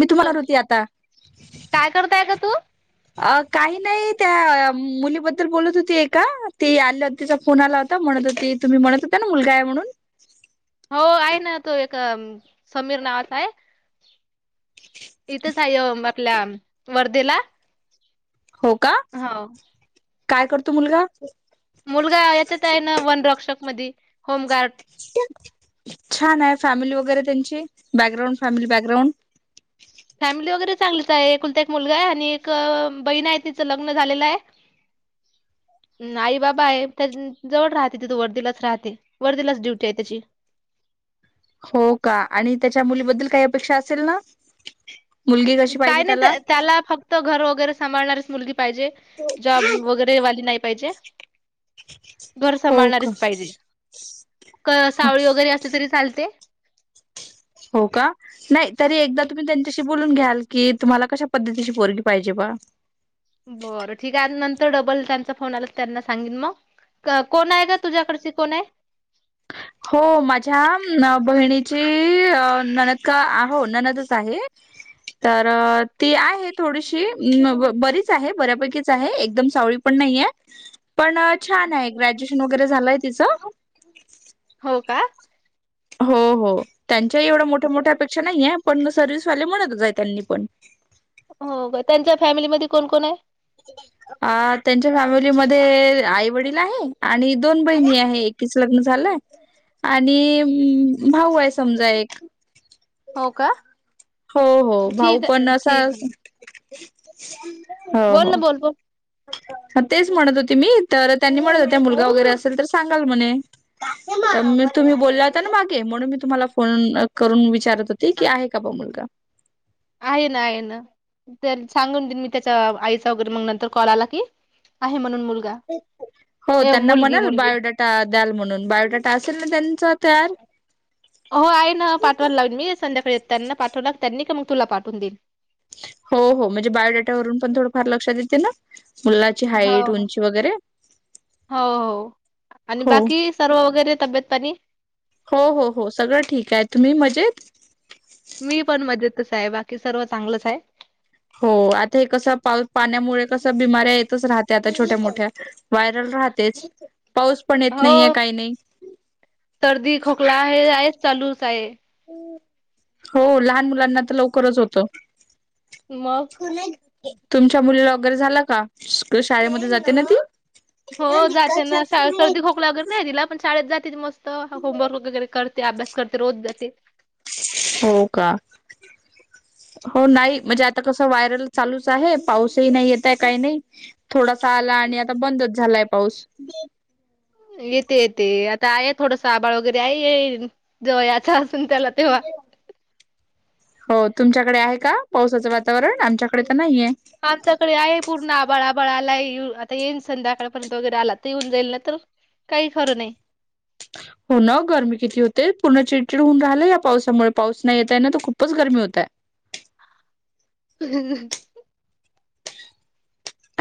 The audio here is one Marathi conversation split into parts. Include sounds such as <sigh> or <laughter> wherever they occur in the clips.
मी तुम्हाला होते आता काय करताय का तू? अ काही नाही त्या मुलीबद्दल बोलत होते का ते आलं तिचा फोन आला होता म्हणत होती तुम्ही म्हणत होता ना मुलगा आहे म्हणून हो आहे ना तो एका समीर नावाचा आहे इथेचय आपल्या वर्धेला हो का हो काय करतो मुलगा मुलगा याच्यात आहे ना वन रक्षक म होमगार्ड छान आहे फॅमिली वगैरे त्यांची बॅकग्राउंड फॅमिली बॅकग्राउंड फॅमिली वगैरे चांगलीच आहे एकुलता एक मुलगा आहे आणि एक बहीण आहे तिचं लग्न झालेलं आहे <inaudible> आई बाबा आहे त्या जवळ राहते तिथू वर्दीलाच राहते वर्दीलाच ड्युटी आहे त्याची हो का आणि त्याच्या मुलीबद्दल काही अपेक्षा असेल ना मुलगी कशी काय पाहिजे नाही त्याला फक्त घर वगैरे सांभाळणारीच मुलगी पाहिजे जॉब वगैरे वाली नाही पाहिजे घर हो का सांभाळणारच पाहिजे सावळी वगैरे असली तरी चालते हो का नाही तरी एकदा तुम्ही त्यांच्याशी बोलून घ्याल की तुम्हाला कशा पद्धतीची बोरगी पाहिजे बा बरं ठीक आहे नंतर डबल त्यांचा फोन आला त्यांना सांगेन मग कोण आहे का तुझ्याकडची कोण आहे हो माझ्या बहिणीची ननद का हो ननदच आहे हो तर ते आहेत थोडीशी बरीच आहे बऱ्यापैकीच आहे एकदम सावळी पण नाहीे पण छान आहे ग्रॅज्युएशन वगैरे झालंय तिचं हो का हो हो त्यांच्याही एवढं मोठ्या मोठ्या अपेक्षा नाहीये पण सर्वि्हसवाले म्हणतच आहे त्यांनी पण हो का त्यांच्या फॅमिलीमध्ये कोण कोण आहे ती अ त्यांच्या फॅमिलीमध्येध्ये आई वडील आहे आणि दोन बहिणी आहे एकीच लग्न झालंय आणि भाऊ आहे समजा एक हो का हो हो भाऊ ठीक आहे पण असा ठीक आहे हो बोल हो ना बोल बोल ह तेच म्हणत होते मी तर त्यांनी म्हणत होत मुलगा वगैरे असेल तर सांगाल म्हणे तुम्ही बोलात मागे म्हणून मी तुम्हाला फोन करून विचारत होते की आहे का ब मुलगा आहे ना आहे ना तर सांगून दिन मी त्याच्या आईचा वगैरे मग नंतर कॉल आला की आहे म्हणून मुलगा हो ए त्यांना मुलगी म्हणाल मुलगी बायोडाटा द्याल म्हणून बायोडाटा असेल ना त्यांचा तयार हो आहे ना पाठवायला लागल मी संध्याकाळी येत त्यांना पाठवलाग त्यांनी का मग तुला पाठवून देईन हो म्हणजे बायोडेटावरून पण थोडं फार लक्षात येते ना ची हो हाईट हो उंची वगैरे हो हो आणि हो बाकी सर्व वगैरे तब्येत पाणी हो हो हो सगळं ठीक आहे तुम्ही मजेत मी पण मजेतच आहे बाकी सर्व चांगलंच आहे हो आता हे कस पा पाण्यामुळे कस बिमाऱ्या येतच राहत्या आता छोट्या मोठ्या व्हायरल राहतेच पाऊस पण येत नाहीय हो काही नाही सर्दी खोकला हे आहेच चालूच आहे हो लहान मुलांना तर लवकरच होत मग तुमच्या मुलीला अगर झाला का शाळेमध्ये जाते ना ती हो जाते ना सर्दी खोकलागर नाही तिला पण शाळेत जात मस्त होमवर्क वगैरे करते अभ्यास करते रोज जाते हो का हो नाही म्हणजे आता कस व्हायरल चालूच आहे पाऊसही नाही येतय काही नाही थोडासा आला आणि आता बंदच झालाय पाऊस येते येते आता आहे थोडस आबाळ वगैरे आहे जव याचा असून त्याला तेव्हा हो तुमच्याकडे आहे का पावसाचं वातावरण आमच्याकडे तर नाहीये आमच्याकडे आहे पूर्ण बळाबळा आलाय आता येईन संध्याकाळपर्यंत वगैरे आला तर येऊन जाईल ना तर काही खरं नाही हो ना गरमी किती होते पूर्ण चिडचिड होऊन राहिलं या पावसामुळे पाऊस नाही येतय ना तर खूपच गरमी होतय हम्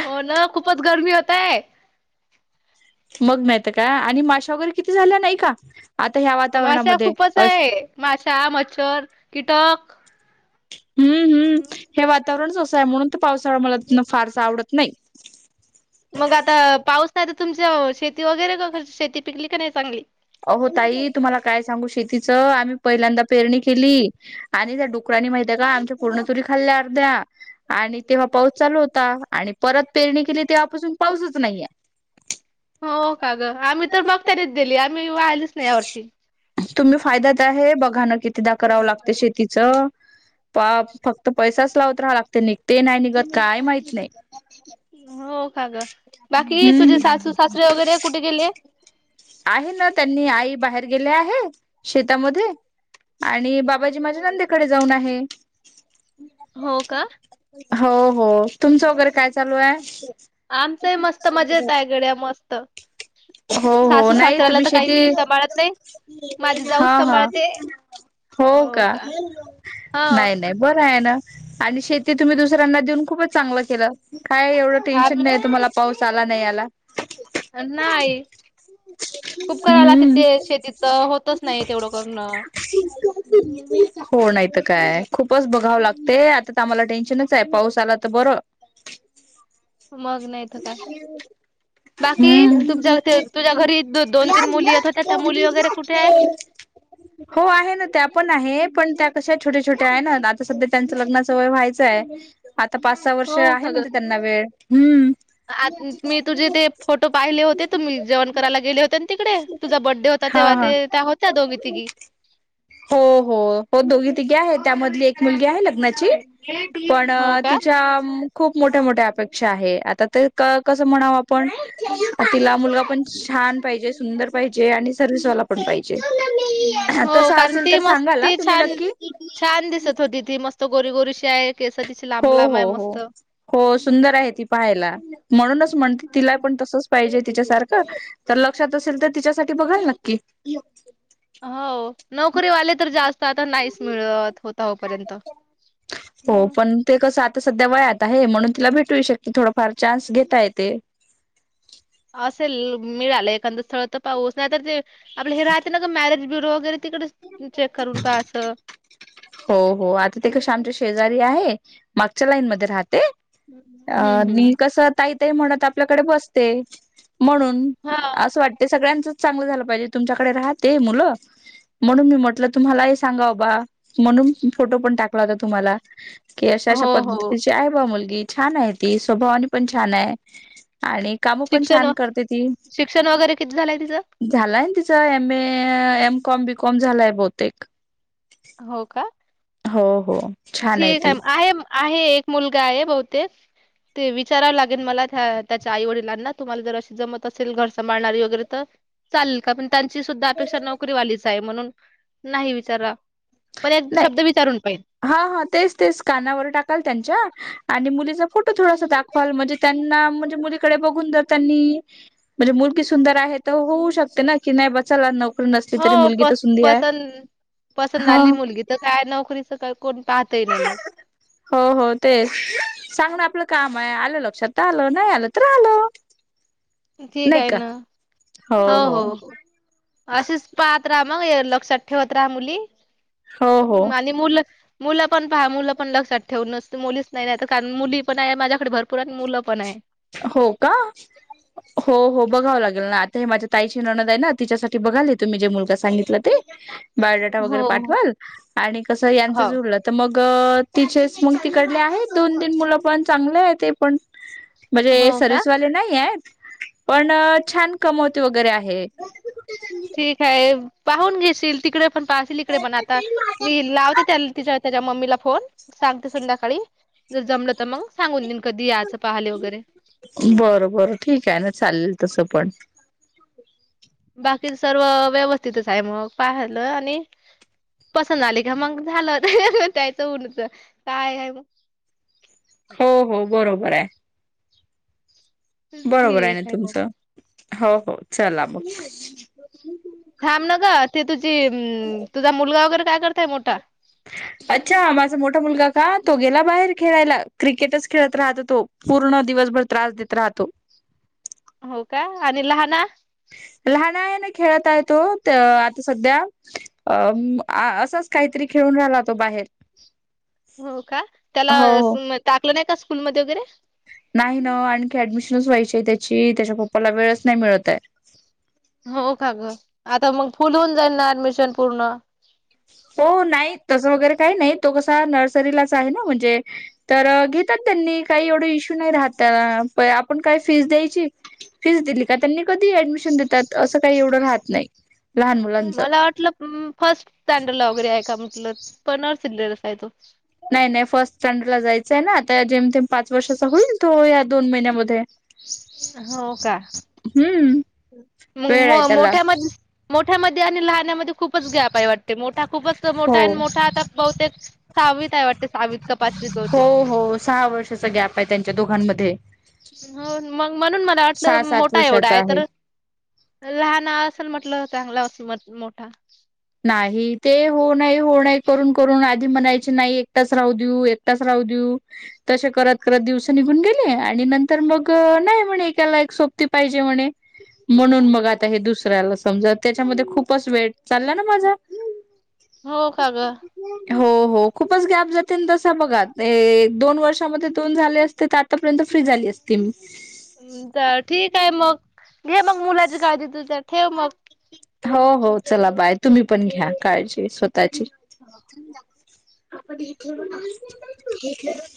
हो ना खूपच गरमी होतय मग मात का आणि माशा वगैरे किती झाल्या नाही का आता ह्या वातावरणामध्ये अ मासाा मच्छर कीटक हम्म्म हे वातावरणच असं आहे म्हणून तर पावसाळा मला फारसा आवडत नाही मग आता पाऊस आहे तर तुमच्या शेती वगैरे का शेती पिकली का नाही चांगली अहो ताई तुम्हाला काय सांगू शेतीचं आम्ही पहिल्यांदा पेरणी केली आणि त्या डुरानी माहितीय का आमच्या पूर्ण तुरी खाल्ल्या अर्ध्या आणि तेव्हा पाऊस चालू होता आणि परत पेरणी केली तेव्हापासून पाऊसच नाहीये हो का ग आम्ही तर मग तरीच दिली आम्ही वाहिलच नाही या वर्षी तुम्ही फायद्यात आहे बघाण कितीदा करावं लागत शेतीचं प फक्त पैसाच लावत राहा लागते निघते नाही निघत काय माहत नाही हो का ग बाकी तुझे हम्म सासू सासरे वगैरे कुठे गेले आहे ना त्यांनी आई बाहेर गेले आहे शेतामध्ये आणि बाबाजी माझ्या नंदेकडे जाऊन आहे हो का हो हो तुमचं वगैरे काय चालू आहे आमचही मस्त मजा येत आहे घड्या मस्त हो हो सासू नाही सासऱ्याला तुम्ही तर काही शेती मी सांभाळत नाही माझी हा जाऊच हा सांभाळते हो का हा नाही नाही बर आहे आणि शेती तुम्ही दुसऱ्यांना देऊन खूप चांगलं केलं काय एवढं टेन्शन आम्ही नाही तुम्हाला पाऊस आला नाही आला नाही खूप करा लागते हम्म ते शेतीच होतच नाही तेवढं करणं हो नाहीत काय खूपच बघावं लागते आता आम्हाला टेन्शनच आहे पाऊस आला तर बरं मग नाहीथ काय बाकी तु हम्म तुझ्या घरी दोन तीन मुली येतो त्या त्या मुली वगैरे कुठे आहे ह हो आहे ना त्या पण आहे पण त्या कशा छोट्या छोट्या आहे ना आता सध्या त्यांच लग्नाचं वय व्हायचं आहे आता पाच सहा वर्ष आहे म्हणते त्यांना वेळ हम्म आ मी तुझे ते फोटो पाहिले होते तुम्ही जेवण करायला गेले होते ना तिकडे तुझा बड्डे होता हा तेव्हा हा ते त्या होत्या दोघी तिघी हो हो हो दोघी तिघे आहे त्यामधली एक मुलगी आहे लग्नाची पण हो का तिच्या खूप मोठ्या मोठ्या अपेक्षा आहे आ तर कस म्हणाव आपण तिला मुलगा पण छान पाहिजे सुंदर पाहिजे आणि सर्स त हो कारण असेल ती तर मस्त सांगा तुम्ही नक् हो तथी मस्त गोरीगोरीशी आहे केस तिची हो लांब लांब आहे हो हो मस्त हो सुंदर आहे ती पाहायला म्हणूनच म्हणते तिला पण तसच पाहिजे तिच्या सारखं तर लक्षात असेल तर तिच्यासाठी बघाल नक्की हो नोकरीवाले तर जास्त आता नाही मिळत होता होपर्यंत हो पण ते कसं आता सध्या वयात आहे म्हणून तिला भेटू शकते थोडाफार चान्स घेतताय ते असेल मिळालं एखाद स्थळ तर पाहस नाही तर ते आपलं हे राहते ना ग मॅरेज ब्युरो वगैरे तिकडे चेक करून पा असं हो हो आता ते क श्यामच्या शेजारी आहे मागच्या लाईन मध्ये राहते अ हम्म मी हम्म. कस ताई ताई म्हणत आपल्याकडे बसते म्हणून हा असं वाटते सगळ्यांचच चांगलं झालं पाहिजे तुमच्याकडे राहते मुलं म्हणून मी म्हटलं तुम्हाला हे सांगाबा म्हणून फोटो पण टाकला होता तुम्हाला की अशा अशा हो हो पद्धतीची आहे बा मुलगी छान आहे ती स्वभावानी पण छान आहे आणि काम पण शिक्षण छान करते ती शिक्षण वगैरे किती झालंय तिचं? झालाय तिचा एम ए एमकॉम बीकॉम झालाय बहुतेक हो का हो हो छान ठीक आहे ती आहे आहे एक मुलगा आहे बहुतेक ते विचारावं लागेल मला त्या त्याच्या आई वडिलांना तुम्हाला जर अशी जमत असेल घर सांभाळणारी वगैरे तर चालेल का पण त्यांची सुद्धा अपेक्षा नोकरीवालीच आहे म्हणून नाही विचारा पण एक नाही शब्द विचारून पाहि हा हा तेच तेच कानावर टाकाल त्यांच्या आणि मुलीचा फोटो थोडासा टाक ल म्हणजे त्यांना म्हणजे मुलीकडे बघून ज त्यांनी म्हणजे मुलगी सुंदर आहेत तर होऊ शकते ना की नाही बचायला नोकरी नसली तरी हो मुलगी तर पस सुधी आहे पसंत पसंत हा आली मुलगी तर काय नोकरीच का कोण पाहतही नाही मग हो हो तेच सांगण आपलं काम आहे आलं लक्षात आलं नाही आलं तर आल ठीक आहे ना हो हो असशीच पाहत राहा मग लक्षात ठेवत राहा मुली हो हो आणि मुलं मुलं पण पहा मुलं पण लक्षात ठेवून नसत मुलीच नाही नाही तर कारण मुली पण आहे माझ्याकडे भरपूर आणि मुलं पण आहे हो का हो हो बघावं लागेल ना आता हे माझ्या ताईची नणद आहे ना तिच्यासाठी बघाली तुम्ही जे मुलगा सांगितला ते बायोडाटा वगैरे हो पाठवाल आणि कसं यांच हो जुडलं तर मग तिचेच मग तिकडले आहे दोन तीन मुलं पण चांगले आहे ते पण म्हणजे हो हो का? सर्विसवाले नाही आहे पण छान कमवते वगैरे आहे ठीक आहे पाहून घेशील तिकड, पण पासल इकडे बन आता मी लावते त त्याच्या मम्मीला फोन सांगते संध्याकाळी जर जमलं तर मग सांगून नन कधी याचं पाहिले वगैरे बरं बर ठीक आहे ना चालेल तसं पण बाकीच सर्व व्यवस्थितच आहे मग पाहालं आणि पसंत आली का मग झालं, <unintelligible> हो, हो. बरोबर हाय. बरोबर आहे ठीक ना मग तुमचं. हो, हो. चला मगं. थांब ना ग. ते तुझी तुझा मुलगा वगैरे काय करतोय मोठा? अच्छा माझा मोठा मुलगा का तो गेला बाहेर खेळायला क्रिकेटच खेळत राहत तो पूर्ण दिवसभर त्रास देत राहतो हो का आणि लहाना लहान आहे ना खेळत आहे तो आता सध्या अ असाच काहीतरी खेळून राहिला तो बाहेर. हो का. त्याला हो हो टाकलं नाही का स्कूलमध्ये वगैरे? नाही ना आणखी ऍडमिशनच व्हायची आहे त्याची त्याच्या पप्पाला वेळच नाही मिळत हाय. हो का ग. आता मग फुल होऊन जाईल ना ऍडमिशन पूर्ण. हो नाही. तसं वगैरे काही नाही. तो कसा नर्सरीलाच आहे ना म्हणजे - - तर घेतात त्यांनी काही एवढा इश्यू नाही राहत प आपण काय फीज द्यायची फीस दिली का त्यांनी कधी ऍडमिशन देतात असं काही एवढं राहत नाही लहान मुलांचं. मला वाटलं अं फस्ट स्टॅडर्ड वगैरे हाय का म्हटलं पण <unintelligible> हाय तो. नाही नाही फर्स्ट स्टँडर्ड ला जायचं आहे ना आता जेम तेम पाच वर्षाचा होईल तो या दोन महिन्यामध्ये. हो का. हम्म मग वेळ म आहे त्याला मोठ्या म - - मोठ्यामध्ये आणि लहण्यामध्ये खूपच गॅप आहे वाटते. मोठा खूपच हो मोठा आणि मोठा आता बहुतेक - - सहावित हाय वाटते सहावित काय पचवित हो बहुतेक. हो सहा वर्षाचा गॅप आहे त्यांच्या दोघांमध्ये. हो. मग म्हणून मला सहा वाटलं सात मोठा एवढा वर्षाचा आहे तर लहान असेल म्हटलं चांगला अस मोठा. नाही ते हो नाही हो नाही करून करून आधी म्हणायचे नाही. एकटच राहू देऊ, एकटच राहू देऊ तसे करत करत दिवस निघून गेले आणि नंतर मग नाही म्हणे एकाला एक सोपती पाहिजे म्हणे. <unintelligible> म्हणून मग आता हे दुसऱ्याला समजा त्याच्यामध्ये खूपच वेळ चालला ना. मजा हो का ग हो, हो. खूपच गॅप जाते तसा बघात ते दोन वर्षामध्ये दोन झाले असते त्यात- - आता पर्यंत फ्री झाली असती मी. तर ठीक हाय मग घे मग मुलाची काळजी तू तर ठेव मग. हो, हो. चला बाय. तुम्ही पण घ्या काळजी स्वतःची. <unintelligible>